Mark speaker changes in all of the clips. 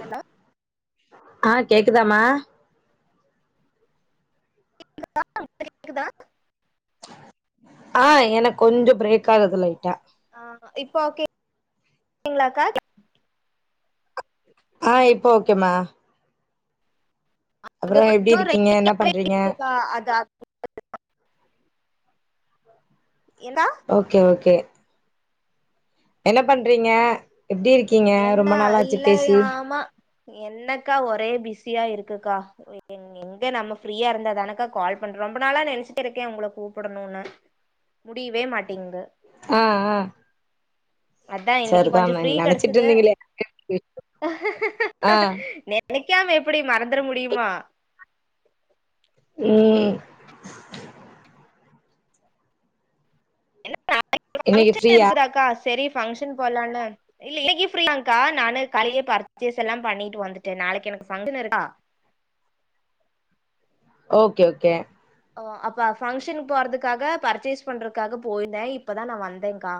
Speaker 1: Hello
Speaker 2: ஆ கேக்குதாமா
Speaker 1: கேகுதா கேகுதா
Speaker 2: ஆ எனக்கு கொஞ்சோ பிரேக் ஆகுது லைட்டா
Speaker 1: ஆ இப்போ ஓகேங்களாக்கா
Speaker 2: ஆ இப்போ ஓகேம்மா அப்றோ எப்டி இருக்கீங்க என்ன பண்றீங்க
Speaker 1: ஆ அத அ எந்தா
Speaker 2: ஓகே ஓகே என்ன பண்றீங்க எப்டி இருக்கீங்க
Speaker 1: என்ன
Speaker 2: ரொம்ப நாளாச்சி பேசி
Speaker 1: இல்லயாமா என்னக்கா ஒரே பிஸியா இருக்குக்கா எங்க நம்ம ஃப்ரீய இருந்தா தானக்கா கால் பண்றோ ரொம்ப நாளா நெனச்சிட்டு இருக்கே உங்கள கூப்டணுனு முடிவே மாட்டேங்து
Speaker 2: ஆ ஆ
Speaker 1: அதா இன்னிக்கு
Speaker 2: சரிதா
Speaker 1: கொஞ்சோ
Speaker 2: நெ
Speaker 1: ஃப்ரீ கெடச்
Speaker 2: நெனச்சிட்டு
Speaker 1: து
Speaker 2: இருந்தீங்களே ஆ
Speaker 1: நெனைக்காம எப்டி மறந்துட முடியுமா
Speaker 2: ம்
Speaker 1: என்ன நாளைக்கு
Speaker 2: இன்னைக்கு
Speaker 1: பங்க்ஷன்
Speaker 2: ஃப்ரீயா
Speaker 1: இருக்கு தாக்கா சரி பங்க்ஷன் போலானு இல்ல இன்னிக்கு ஃபிரீ தாக்கா நானு காலைலே பர்ச்சேஸ் எல்லா பண்ணிட்டு வந்துட்டே நாளைக்கு எனக்கு ஃபங்க்ஷன் இருக்கா
Speaker 2: ஓக்கே ஓக்கே
Speaker 1: ஓ அப்ப பங்க்ஷன் போறதுக்காக பர்ச்சேஸ் பண்றதுக்காக போய்ருந்தே இப்பதா நா வந்தேன்க்கா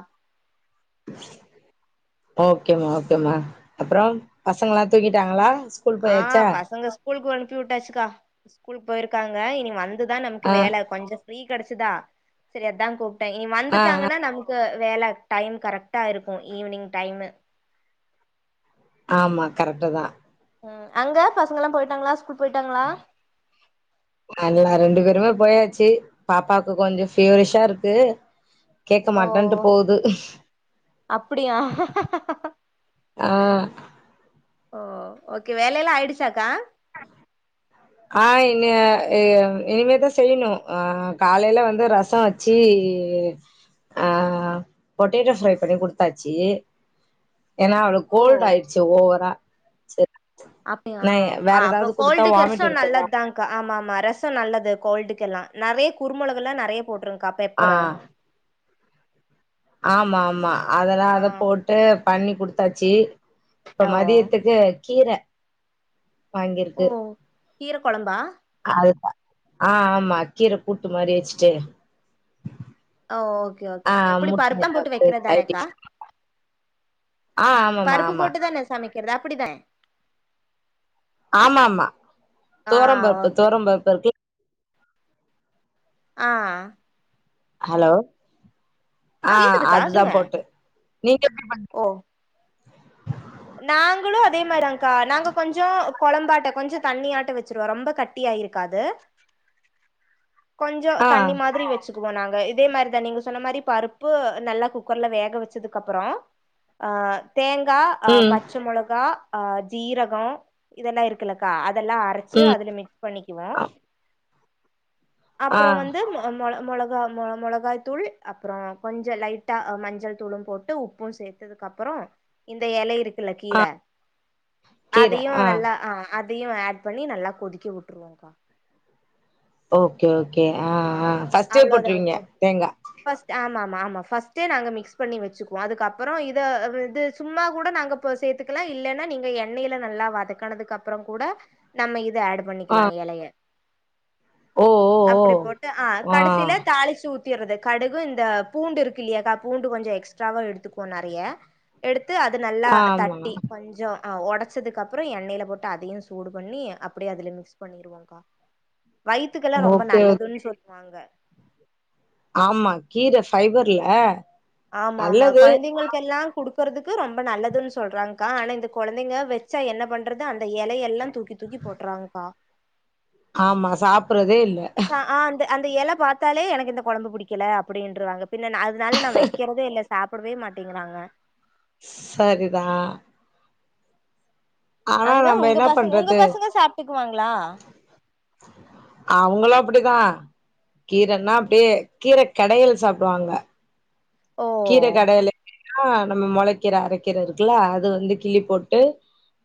Speaker 2: ஓக்கேமா ஓக்கேமா அப்றம் பசங்கல்லா தூங்கிட்டாங்களா ஸ்கூல்
Speaker 1: ஆ
Speaker 2: போயாச்சா
Speaker 1: பசங்க ஸ்கூலுக்கு அனுப்பி வுட்டாச்சுக்கா ஸ்கூலுக்கு போய்ருக்காங்க இனி வந் து தா நமக்கு
Speaker 2: ஆ
Speaker 1: வேல கொஞ்சோ ப்ரீ கிடச்சுதா செரி அதான் கூப்ட்டேன் இனி
Speaker 2: ஆ ஆ
Speaker 1: வந்துட்டாங்கன்னா நமக் வேல டைம் கரெக்டா இருக்கு ஈவினிங் டைமு
Speaker 2: ஆமா கரெக்ட்டு தா
Speaker 1: ம் அங்க பசங்க எல்லா போய்ட்டாங்களா ஸ்கூல் போய்ட்டாங்களா
Speaker 2: அல்ல ரெண்டு பேருமே போயாச்சு பாப்பாக்கு கொஞ்சோ ஃபிவரிஷாருக்கு கேக்க
Speaker 1: ஓ
Speaker 2: மாட்டேன்ட்டு போகுது
Speaker 1: அப்டியா
Speaker 2: ஆ
Speaker 1: ஓ ஓகே வேலையெல்லா ஆய்டுசாக்கா
Speaker 2: ஆ இனி அ இனிமேதா செய்யணு ஆ காலைல வந்து ரசோ வச் சி அ பொட்டேட்டோ ஃப்ரை பண்ணி குடுத்தாச்சி ஏன்னா அவளுக்கு கோல்ட் ஆய்டுச்சு ஓவரா செரி
Speaker 1: அப்டிய ஆ அப்ப கோல்டுக்கு
Speaker 2: வாமிட்
Speaker 1: ரசோ
Speaker 2: எடுத்துடுவா
Speaker 1: நல்லத்தா ஆங்க்கா ஆமா ஆமா ரசோ நல்லது கோல்டுக்கெல்லா நெறய குருமுளகல்லா நெறய போட்ருக்கா
Speaker 2: ஆ
Speaker 1: பெப்பர
Speaker 2: ஆமா ஆமா அதுலா
Speaker 1: ஆ
Speaker 2: அத போட்டு பண்ணி குடுத்தாச்சி இப்ப
Speaker 1: ஓ
Speaker 2: மதியத்துக்கு கீர
Speaker 1: ஓ
Speaker 2: வாங்கிருக்கு
Speaker 1: கீர கொழம்பா
Speaker 2: அ அது ஆ ஆமா கீர கூட்டு மாரி வச்சிட்டு
Speaker 1: ஒ ஓக்கே ஓகே
Speaker 2: ஆ
Speaker 1: ஓகே எப்டி
Speaker 2: முட்ட
Speaker 1: பருத்தம் போட்டு
Speaker 2: ஏதாவது
Speaker 1: வெக்கிற
Speaker 2: சைட்
Speaker 1: தானேக்கா
Speaker 2: டிஷ் ஆ ஆமாமா
Speaker 1: பருப்பு
Speaker 2: ஆமா
Speaker 1: போட்டுதானே சமைக்கிறது அப்டிதானே
Speaker 2: ஆமா ஆமா
Speaker 1: ஆ
Speaker 2: துவரம் பருப்பு
Speaker 1: ஓகே ஓகே
Speaker 2: துவரம் பருப்பு இருக்கு
Speaker 1: ஆ
Speaker 2: ஹலோ ஆ அதுதா போட்டு நீங்க எப்டி பண்வீ
Speaker 1: ஒ நாங்களு அதே மாரிதாங்க்கா நாங்க கொஞ்சோ கொழம்பாட்டோ கொஞ்சோ தண்ணியாட்ட வெச்சிருவோ ரொம்ப கட்டியாயிருக்காது கொஞ்சோ
Speaker 2: ஆ
Speaker 1: தண்ணி மாதிரி வெச் துக்கு போனாங்க இதே மாரிதா நீங்க சொன்ன மாரி பருப்பு நல்லா குக்கர்ல வேக வெச்சதுக்கப்பறோ ஆ தேங்கா
Speaker 2: ம்
Speaker 1: பச்ச முளகா அ ஜீரகோ இதெல்லா இருக்குல்லக்கா அதெல்லா அரச்சி
Speaker 2: ம்
Speaker 1: அதுல மிக்ஸ் பண்ணிக்குவோ
Speaker 2: ஆ ஆ
Speaker 1: அப்றோ வந்து மொள மொளகா மொ மொளகாய்த்தூள் அப்றோ கொஞ்சோ லைட்டா மஞ்சள் தூளு போட்டு உப்பு சேத்து அதுக்கப்றோ இந்த எல இருக்கில்ல
Speaker 2: ஆ
Speaker 1: கீர
Speaker 2: கீர
Speaker 1: அதையு
Speaker 2: ஆ
Speaker 1: நல்லா அ அதையு ஆட் பண்ணி நல்லா கொதிக்க விட்ருவோங்கா
Speaker 2: ஓக்கே ஓக்கே ஆ ஆ ஃபஸ்ட்டே போட்ருவீங்க தேங்கா
Speaker 1: ஃபஸ்ட்டு ஆமா ஆமா ஆமா ஃபர்ஸ்டே நாங்க மிக்ஸ் பண்ணி வெச்சுக்குவோ அதுக்கப்றோ இத அது இது சும்மா கூட நாங்க இப்போ சேத்துக்கலா இல்லனா நீங்க எண்ணெய்ல நல்லா வதக்கனதுக்கப்றோ கூட நம்ப இத அடு
Speaker 2: ஆ
Speaker 1: பண்ணிக்கிலா எலைய
Speaker 2: ஓ ஓ ஓ
Speaker 1: அப்டி போட்டு ஆ கடைசில தாளிச்சி ஊத் த்திற்றது கடுகு இந்த பூண்டுருக்கு இல்லியாக்கா பூண்டு கொஞ்சோ எக்ஸ்ட்ராவா எடுத்துக்குவோ நறைய எடுத்து அது நல்லா
Speaker 2: ஆமா
Speaker 1: தட்டி கொஞ்ச அ ஒடச்சதுக்கப்றோ எண்ணெய்ல போட்டு அதையு சூடு பண்ணி அப்டியே அதுல மிக்ஸ் பண்ணிருவோ க்கா வயித்துக்கெல்லா ரொம்ப
Speaker 2: ஓகே ஓகே
Speaker 1: நல்லதுன் சொல்லுவாங்க
Speaker 2: ஆமா கீர ஃபைபர்ல
Speaker 1: ஆமா ஆமா
Speaker 2: நல்லது
Speaker 1: கொழந்தைங்களுக்கெல்லா குடுக் குறதுக்கு ரொம்ப நல்லதுன்சொல்றாங்க்கா ஆனா இந்த கொழந்தைங்க வெச்சா என்ன பண்றது அந்த எலையெல்லா தூக்கி தூக்கி போட்றாங்க்கா
Speaker 2: ஆமா சாப்புறதே இல்ல
Speaker 1: ஹ அந்த அந்த எல பாத்தாலே எனக்கு இந்த கொழம்பு புடிக்கல அப்டின்றுவாங்க பின்ன நா அ தனால நா வெக்கிறதே இல்ல சாப்புடவே மாட்டேங்குறாங்க
Speaker 2: ஸ் சரிதா ஆனா
Speaker 1: அங்க
Speaker 2: நம்ம
Speaker 1: உங்க
Speaker 2: என்ன
Speaker 1: பசங்க உங்க
Speaker 2: பண்றது
Speaker 1: பசங்க சாப்ட்டுக்குவாங்ளா
Speaker 2: அவுங்களு அப்டிதா கீரன்னா அப்டியே கீர கெடையல் சாப்டுவாங்க
Speaker 1: ஓ
Speaker 2: கீர கடையிலு [unintelligible] நம்ம மொளக்கீர அரக்கீர இருக்குல்ல அது வந்து கிள்ளி போட்டு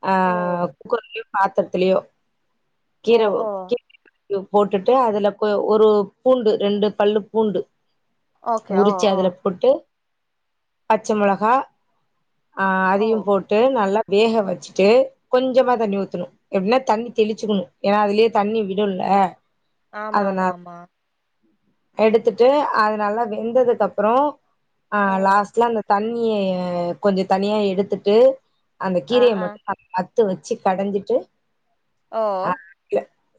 Speaker 2: ஆ
Speaker 1: ஓ
Speaker 2: குக்கர்லியோ பாத்தர்துலியோ
Speaker 1: ஓ
Speaker 2: கீர
Speaker 1: ஓ
Speaker 2: [unintelligible] து போட்டுட்டு அதுல பு ஒரு பூண்டு ரெண்டு பல்லு பூண்டு
Speaker 1: ஓகே ஓ
Speaker 2: உரிச்சு
Speaker 1: ஓ
Speaker 2: அதுல போட்டு பச்ச மொளகா அ
Speaker 1: ஓ
Speaker 2: அதையு போட் டு நல்லா வேக வெச்சுட்டு கொஞ்சமா தண்ணி ஊத்தணு எபின்னா தண்ணி தெளிச்சுக்கணு ஏனா அதுலயே தண்ணி விடுல்ல
Speaker 1: ஆமா ஆமா ஆமா
Speaker 2: எடுத்துட்டு அது நல்லா வெந்ததுக்கு அப்புறோ ஆ
Speaker 1: ஓ
Speaker 2: லாஸ்ட்ல அந்த தண்ணிய கொஞ்சோ தனியா எடுத்துட்டு அந்த
Speaker 1: ஆ
Speaker 2: கீரய
Speaker 1: ஆ
Speaker 2: மட்டு மத்து வச்சு கடஞ்சிட்டு
Speaker 1: ஓ ஓ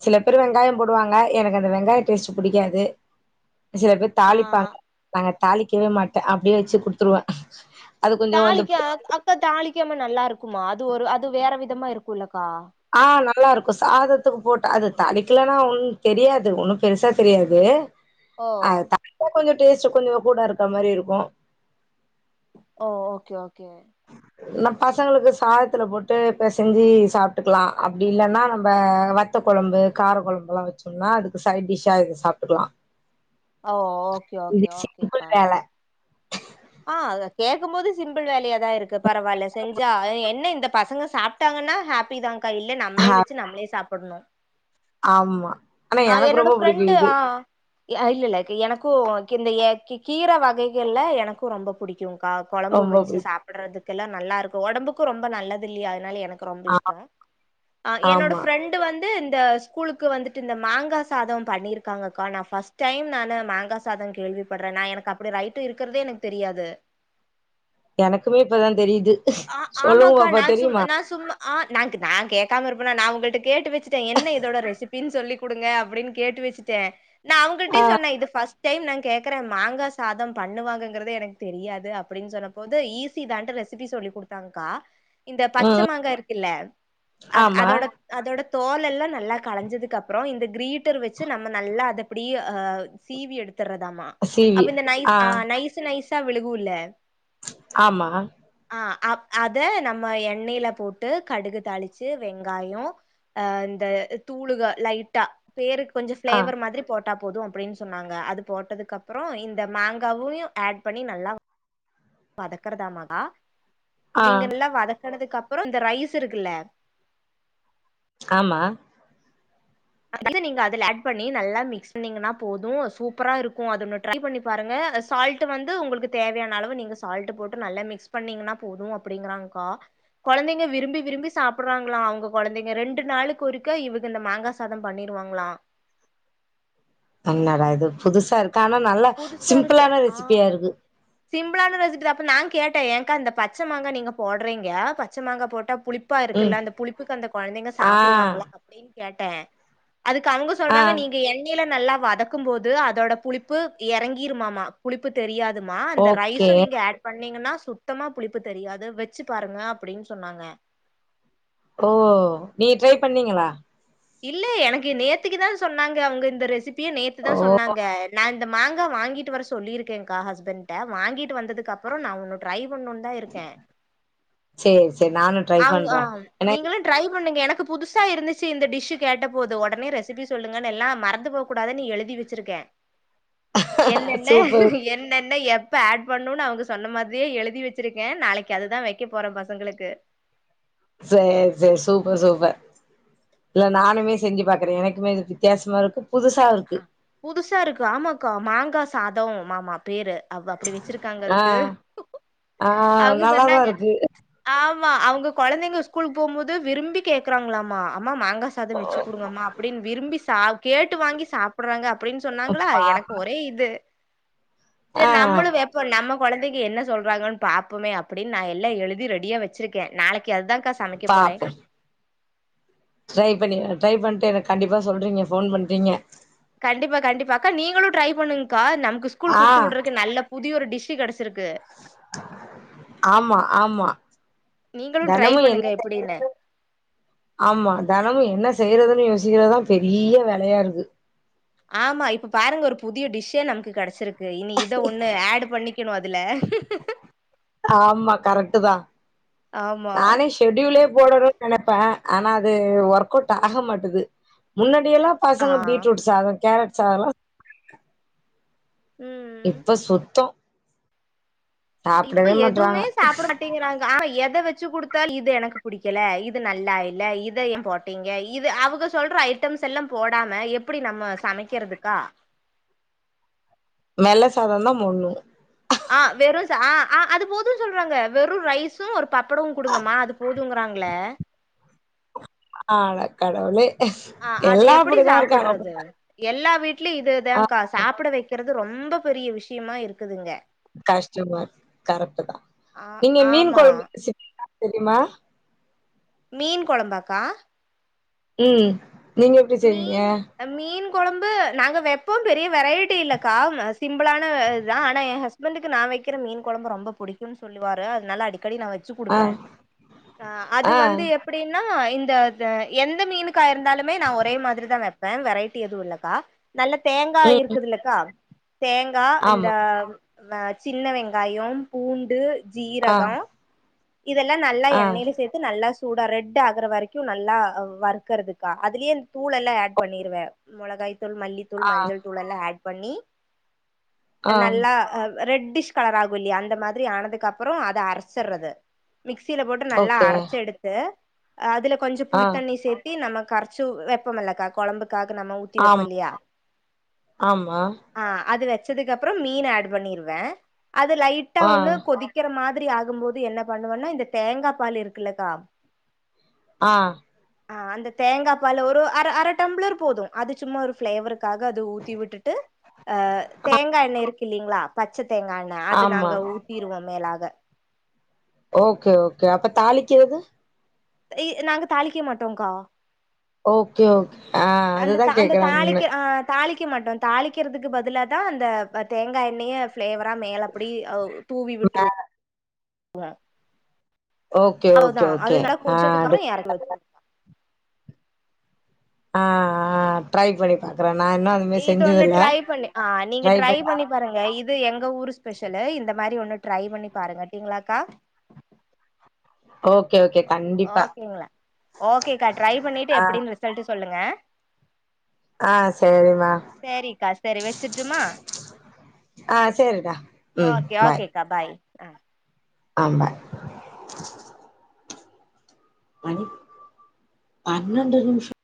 Speaker 2: சில பேரு வெங்காய போடுவாங்க எனக்கு அந்த வெங்காய டேஸ்ட் புடிக்காது சில பேர்
Speaker 1: ஆ
Speaker 2: தாளிப்பாங்க நாங்க தாளிக்கவே மாட்ட அப்டியே வச்சு குடுத்துருவே அது கொஞ்சோ அந்த
Speaker 1: தாளிக்க அக்கா தாளிக்காம நல்லா இருக்குமா அது ஒரு அது வேற விதமா இருக்குல்லக்கா
Speaker 2: ஆ நல்லா இருக்கு சாதத்துக்கு போட்ட அது தாளிக்கலனா ஒன்னு தெரியாது ஒண்ணு பெருசா தெரியாது
Speaker 1: ஓ
Speaker 2: அது தாளிச்சா கொஞ்சோ டேஸ்ட் கொஞ்சோ கூட இருக்க மாரி இருக்கு
Speaker 1: ஓ ஓக்கே ஓக்கே ஓக்
Speaker 2: இல்ல பசங்களுக்கு சாதத்துல போட்டு பெசஞ்சி சாப்ட்டுக்கலா அப்டி இல்லன்னா நம்ப வ த்த கொழம்பு கார கொழம்புல்லா வச்சோம்னா அதுக்கு சைட் டிஷ்ஷா இத சாப்ட்டுக்கலா
Speaker 1: ஓ ஓக்கே ஓக்கே ஓகேக்கா
Speaker 2: வேல.
Speaker 1: ஆ அத கேக்கும் போது சிம்பிள் வேலயாதா இருக்கு பரவாயில்ல செஞ்சா என்ன இந்த பசங்க சாப் ட்டாங்கன்னா ஹாப்பிதான்கா இல்ல நம்மளே
Speaker 2: ஆ
Speaker 1: வச்சு நம்மளே சாப்புணு
Speaker 2: ஆமா. ஆனா
Speaker 1: ஆ
Speaker 2: எனக்கு
Speaker 1: என்னோட
Speaker 2: ரொம்ப புடிக்கும்
Speaker 1: ஃப்ரெண்டு
Speaker 2: இது.
Speaker 1: ஆ அ இல்ல இல்ல எனக்கு கி இந்த கீ கீர வகைகள்லா எனக்கு ரொம்ப புடிக்கு ககா கொழம்பு
Speaker 2: ரொம்ப
Speaker 1: வச்சு
Speaker 2: புடிக்கும்.
Speaker 1: சாப்புடறதுக்குல்லா நல்லா இருக்கு ஒடம்புக்கு ரொம்ப நல்லது இல்லயா அதனால எனக்கு ரொம்ப இஷ்டோ என்னோட
Speaker 2: ஆமா.
Speaker 1: ஃப்ரெண்டு வந்து இந்த ஸ்கூலுக்கு வந்துட்டு இந்த மாங்கா சாதம் பண்ணியிருக்காங்கக்கா நா ஃபஸ்ட் டைம் நானு மாங்கா சாத கேள்வி பட்றே நா எனக்கு அப்டி ரைட்டு இருக்குறதே எனக்கு தெரியாது
Speaker 2: எனக்குமே இப்பதா தெரியுது
Speaker 1: ஆ
Speaker 2: சொல்லுங்க
Speaker 1: ஆமாக்கா
Speaker 2: பாப்பா
Speaker 1: நா சும்
Speaker 2: தெரியுமா?
Speaker 1: நா சும்மா ஆ நாக் நா கேக்காம இருப்பனா நா அவுங்கள்ட்ட கேட்டு வச்சுட்டே என்ன இதோட ரெசிபின்னு சொல்லி குடுங்க அப்டின்னு கேட்டு வச்சுட்ட நா அவுங்கள்ட்டே சொன்னே இது ஃபஸ்ட் டைம் நா கேக்குற மாங்கா சாதம் பண்ணுவாங்கங்கறதே எனக்கு தெரியாது அப்டின்னு சொன்ன போது ஈஸி தான்ட்டு ரெசிப் குடுத்தாங்க்கா இந்த பச்ச
Speaker 2: ம்
Speaker 1: மாங்கா இருக்குல்ல அத்
Speaker 2: ஆமா.
Speaker 1: அதோட அதோட தோல் எல்லா நல்லா கலஞ்சதுக்கு அப்புறோ இந்த கிரீ ட்டர் வச்சு நம்ம நல்லா அத இப்படியே ஆ சீவி எடுத்துறதாம்மா அப்ப இந்த நைஸ் ஆ நைஸு நைஸா விழுகுல
Speaker 2: ஆமா
Speaker 1: ஆ அப் அத நம்ம எண்ணெயில போட்டு கடுகு தாளிச்சு வெங்காயோ ஆ இந்த தூளுகா லைட்டா பேருக்கு கொஞ்சோ
Speaker 2: ஆ
Speaker 1: ஃபிளேவர் மாதிரி போட்டா போதும் அப்டின்னு சொன்னாங்க அது போட்டதுக்கு அப்புறோ இந்த மேங்காவுயு ஆட் பண்ணி நல்லா வதக்கறதாமாக்கா
Speaker 2: ஆ
Speaker 1: நீங்க நல்லா வதக்கனதுக்கு அப்புறோ இந்த ரைஸ் இருக்குல்ல
Speaker 2: ஆமா
Speaker 1: அதுல நீங்க அதுல ஆட் பண்ணி நல்லா மிக்ஸ் பண்ணீங்கன்னா போதும் சூப்பரா இருக்கு அது ஒன்னு ட்ரை பண்ணி பாருங்க ஆ சால்ட்டு வந்து உங்களுக்கு தேவையான அளவு நீங்க சால்ட்டு போட்டு நல்ல மிக்ஸ் பண்ணீங்கன்னா போது அப் அப்டிங்கறாங்க்கா கொழந்தைங்க விரும்பி விரும்பி சாப்புட்றாங்களா அவுங்க கொழந்தைங்க ரெண்டு நாளுக்கு ஒருக்க இவங்க இந்த மாங்கா சாத பண்ணிருவாங்களா
Speaker 2: என்னடா இது புதுசா இருக்கு ஆனா நல்ல
Speaker 1: புதுசா இருக்கு
Speaker 2: சிம்பிளான
Speaker 1: ஆ
Speaker 2: ரெசிப்பியா இருக்கு
Speaker 1: சிம்பிளான ரெசிப்பி தா அப்ப நா கேட்ட ஏன்கா இந்த பச்ச மாங்கா நீங்க போட்றீங்க பச்ச மாங்கா போட்டா புளிப் ப்பா
Speaker 2: ம்
Speaker 1: இருக்குல்ல அந்த புளிப்புக்கு அந்த கொழந்தைங்க
Speaker 2: ஆ
Speaker 1: சாப்டுவாங்களா அப்டின்னு கேட்டே அதுக்கு அவுங்க
Speaker 2: ஆ
Speaker 1: சொல்றாங்க நீங்க எண்ணெயில நல்லா வதக்கும் போது அதோட புளிப்பு எறங்கிருமாமா புளிப்பு தெரியாதுமா அந்த
Speaker 2: ஓகே
Speaker 1: ரைஸும் நீங்க ஆட் பண்ணீங்கன்னா சுத்தமா புளிப்பு தெரியாது வச்சு பாருங்க அப்டின்னு சொன்னாங்க
Speaker 2: ஓ நீங்க ட்ரை பண்ணீங்களா
Speaker 1: இல்லையே எனக்கு நேத்திக்கு தா சொன்னாங்க அவுங்க இந்த ரெசிப்பியே நேத்துதா
Speaker 2: ஓ
Speaker 1: சொன்னாங்க நா இந்த மாங்கா வாங்கிட்டு வர சொல்லி இருக்கேன்க்கா ஹஸ்பண்ட்ட வாங்கிட்டு வந்ததுக் கப்பற நா ஒன்னு ட்ரை பண்ணுன்னு தா இருக்கே
Speaker 2: சேரி சேரி நானு ட்ரை
Speaker 1: அவங்க ஆ
Speaker 2: பண்ற ஏன்னா
Speaker 1: நீங்களும் ட்ரை பண்ணுங்க எனக்கு புதுசா இருந்துச்சு இந்த டிஷ்ஷு கேட்ட போது ஒடனே ரெசிபி சொல்லுங்கனுல்லா மறந்து போக் கூடாதுனு எழுதி வச் சுருக்கே என்னென்ன
Speaker 2: சூப்பர்
Speaker 1: என்னென்ன எப் ப ஆட் பண்ணுன்னு அவுங்க சொன்ன மாதிரியே எழுதி வச்சுருக்கே நாளைக்கு அதுதா வக்கப் போறே பசங்களுக்கு
Speaker 2: சேரி சேரி சூப்பர் சூப்பர் இல்ல நானுமே செஞ்சு பாக்குறே எனக்குமே இது வித்தியாசமா இருக்கு புதுசா இருக்
Speaker 1: அ, புதுசா இருக்கு ஆமாக்கா மாங்கா சாதமாமா பேரு அவ அப்டி வச்சுருக் காங்க
Speaker 2: ஆ
Speaker 1: அதுக்கு
Speaker 2: ஆ
Speaker 1: அவுங்க
Speaker 2: நல்லாதா
Speaker 1: சொன்னாங்க
Speaker 2: இருக்கு
Speaker 1: ஆமா அவுங்க கொழந்தைங்க ஸ்கூலுக்கு போம் போது விரும்பி கேக்குறாங்களாமா அம்மா மாங்கா சாத வச்சு குடுங்கம்மா அப்டின்னு விரும்பி சா கேட்டு வாங்கி சாப்புடுறாங்க அப்டின்னு சொன்னாங்களா எனக்கு
Speaker 2: பாப்போ
Speaker 1: ஒரே இது
Speaker 2: ஆ
Speaker 1: சேரி நம்மளு இப்ப நம்ம கொழந்தைக்கு என்ன சொல்றாங்கன்னு பாப்போமே அப்டின்னு நா எல்லா எழுதி ரெடியா வச்சுருக்கே நாளைக் கி அதுதான்கா சமைக்க போறே
Speaker 2: பாப்போ ட்ரை பண்ணி ட்ரை பண்ணிட்டு எனக்கு கண்டிப்பா சொல்றீங்க ஃபோன் பண்றீங்க
Speaker 1: கண்டிப்பா கண்டிப்பா அக்கா நீங்களு ட்ரை பண்ணுங்க்கா நமக்கு ஸ்கூல் குடுத்து
Speaker 2: ஆ
Speaker 1: விடுறதுக்கு நல்ல புதிய ஒரு டிஷ்ஷு கெடச் சிருக்கு
Speaker 2: ஆமா ஆமா
Speaker 1: நீங்களு ட்ரை
Speaker 2: தெனமும் என்ன
Speaker 1: பண்ணுங்க எப்டின்னு
Speaker 2: தெனந்தென ஆமா தெனமு என்ன செய்யறதுன்னு யோசிக்கிறது தான் பெரிய வேலயா இருக்கு
Speaker 1: ஆமா இப்ப பாருங்க ஒரு புதிய டிஷ்ஷே நமக்கு கடைச்சிருக்கு இனி இ ந்த ஒண்ணு அடு பண்ணிக்கணு அதுல
Speaker 2: ஆமா கரெக்ட்டு தா
Speaker 1: ஆமா
Speaker 2: நானே ஷெடியூலே போடறு நெனப்பே ஆனா அது ஒர்க் அவுட் ஆக மாட்டுது முன்னாடியெல்லா
Speaker 1: ஆ
Speaker 2: பசங்க பீட்ரூட் சாதோ கேரட் சாதோ
Speaker 1: ம்
Speaker 2: இப்ப சுத்தோ
Speaker 1: இப்ப
Speaker 2: சாப்டவே
Speaker 1: எதுவுமே
Speaker 2: மாட்றாங்க
Speaker 1: சாப்புட மாட்டேங்கறாங்க ஆ எத வச்சு குடுத்தா இது எனக்கு புடிக்கல இது நல்லா இல்ல இத ஏ போட்டீங்க இது அவுங்க சொல்ற ஐட்டம்ஸ் எல்லாம் போடாம எப் புடி நம்ம சமைக்கறதுக்கா
Speaker 2: வெள்ள சாதம் தா போண்ணு
Speaker 1: ஆ வெறு சா ஆ ஆ அது போது சொல்றாங்க வெறு ரைஸ் ஸு ஒரு பப்படம் குடுங்கமா அது போதுங்கறாங்கள
Speaker 2: ஆட கடவுளே
Speaker 1: ஆ அது
Speaker 2: எல்லா
Speaker 1: எப்டி
Speaker 2: அப்புடிதா இருக்காங்க அப்போ
Speaker 1: சாப்புட்றது எல்லா வீட்லயு இதே தாங்கா சாப்புட வெக்கிறது ரொம்ப பெரிய விஷியமா இருக்குதுங்க
Speaker 2: கஸ்டமா கரெக்ட்டு தா
Speaker 1: ஆ
Speaker 2: நீங்க மீன்
Speaker 1: ஆமா
Speaker 2: கொழம்பு செய்வீங்களா தெரியுமா
Speaker 1: மீன் கொழம்பாக்கா
Speaker 2: ம் நீங்க எப்டி செய்வீங்க
Speaker 1: மீன் அ மீன் குழம்பு நாங்க வெப் போ பெரிய வெரைட்டி இல்லக்கா வ சிம்புளான இது தா ஆனா ஏ ஹஸ் பண்டுக்கு நா வக்கிற மீன் குழம்ப ரொம்ப புடிக்குனு சொல்லுவாரு அதுனால அடிக்கடி நா வ ச்சு
Speaker 2: ஆ
Speaker 1: குடுப்ப அது
Speaker 2: ஆ
Speaker 1: வந்து எ ப்டின்னா இந்தத எந்த மீனுக்காக இருந்தாலுமே நா ஒ ரே மாரி தா வெப்பே வெரைட்டி எது இல்லக்கா நல்ல தேங்கா
Speaker 2: ம்
Speaker 1: இருக்குது இல்லக்கா தேங்கா இந்த
Speaker 2: ஆமா
Speaker 1: ஆ வ சின்ன வெங்காயம் பூண்டு
Speaker 2: ஆ
Speaker 1: ஜீரகோ இதெல்லா நல்ல
Speaker 2: ஆ
Speaker 1: எண்ணெய்ல சேத் து நல்லா சூடா ரெட்டு் ஆகுற வரைக்கூ நல்லா அ வக்கறதுக்கா அதுலயே தூள் எல்லா ஆட் பண்ணிருவ முளகாய் தூள் மல்லித்தூள்
Speaker 2: ஆ
Speaker 1: மஞ்சள் தூள் எல்லா ஆட் பண்ணி அ
Speaker 2: ஆ
Speaker 1: நல்லா அவ் ரெட்டிஷ் கலர் ஆகு இல்லயா அந்த மாதிரி ஆனதுக்கப்பறோ அத அரச் சறது மிக்சில போட்டு நல்லா
Speaker 2: ஓகே
Speaker 1: அரச்செடுத்து அதுல கொஞ்சோ
Speaker 2: ஆ
Speaker 1: புளித்தண்ணி சேத் தி நம்ம கரச்சு வெப்போமில்லக்கா கொழம்புக்காக நம்ம ஊத்தி
Speaker 2: ஆமா
Speaker 1: வெப்பல்லியா
Speaker 2: ஆமா
Speaker 1: ஆ அது வச்சதுக்கப்றோ மீன் அட் பண்ணிருவ அது லைட்டா
Speaker 2: ஆ
Speaker 1: ஒண்ணு கொதி க்கிற மாதிரி ஆகும்போது என்ன பண்ணுவனா இந்த தேங்கா பால் இருக்குல்லக்கா
Speaker 2: ஆ
Speaker 1: ஆ அந்த தேங்கா பால் ஒரு அர அர டம்ப்ளர் போது அது சும்மா ஒரு ஃப்ளேவர் காக அது ஊத்தி விட்டுட்டு அ தேங்கா எண்ண இருக்கு இல்லீங்ளா பச்ச தேங்கா எண் ண அது
Speaker 2: ஆமா
Speaker 1: நாங்க ஊத்திருவோ மேலாக
Speaker 2: ஓக்கே ஓக்கே அப்ப தாளிக்கியது
Speaker 1: இ நாங்க தாளிக்க மாட்டோங்க்கா
Speaker 2: ஓக்கே ஓக் ஆ
Speaker 1: அந்த
Speaker 2: அதுதா
Speaker 1: த அந்த
Speaker 2: கேக்கு எப்ன்னு
Speaker 1: தாளிக்க ஆ தாளிக்க மாட்டோ தாளிக்கறதுக்கு பதிலா தா‌ அந்த தேங்கா ப எண்ணெய ஃப்ளேவரா மேல அப்டி அவ் தூவி
Speaker 2: ஆ
Speaker 1: விட்டுரு ங்க
Speaker 2: ஓகே ஓகே
Speaker 1: அவ்ளோதா அது
Speaker 2: ஓகே
Speaker 1: நல்லா
Speaker 2: ஆ
Speaker 1: கொதிச்சதுக்கப்றோ எறக்கி
Speaker 2: டிஃப்ரெண்ட்டா
Speaker 1: வச்சிரு
Speaker 2: ஆ ஆ ட்ரை பண்ணி பாக்குறே நா இன்னூ அந்தமேரி
Speaker 1: இது ஒண்ணு
Speaker 2: செஞ்சதில்ல
Speaker 1: ட்ரை பண்ணி ஆ நீங்க
Speaker 2: ட்ரை பண்ணி ஆ
Speaker 1: பாருங்க இது எங்க ஊரு ஸ்பெஷலு இந்த மாரி ஒண்ணு ட்ரை பண்ணி பாருங்க ஓக்கோங் ளாக்கா
Speaker 2: ஓ கே ஓக்கே
Speaker 1: ஓ ஓகேங்ளா ஓகேக்கா ட்ரை பண்ணிட்டு
Speaker 2: ஆ
Speaker 1: எப்டின்‌ ரிசல்ட் சொல்லுங்க
Speaker 2: ஆ சேரிம்மா
Speaker 1: சேரிக்கா சேரி வெச்சிர்டுமா
Speaker 2: ஆ சேரிடா
Speaker 1: ஓ
Speaker 2: ம்
Speaker 1: கே ஓகேக்கா பாய் ஆ
Speaker 2: ஆம்மா மணி பன்னெண்டு நிமிஷோ